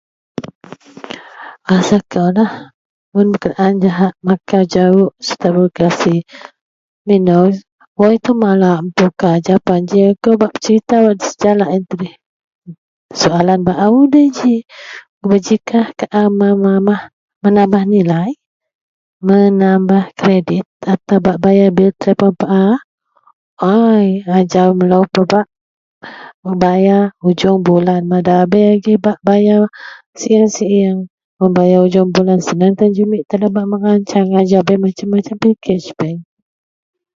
Rasa koulah mun kenaan jahak makau jawok serta rekreasi, mino wak ito malar un petukar japan ji akou bak serita jalak iyen tuneh soalan bao udei ji Kuba ji kah kaau menamah nilaimenambah kedit atau bak bayar telepon paa Ajau melo pebak bayar ujong bulan mada bei agei bayar sieng-sieng mun bayar ujong bulan seneng tan bak merancang ajau ito bei masem-masem pakej bei.